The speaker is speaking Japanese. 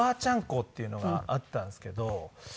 子っていうのがあったんですけど。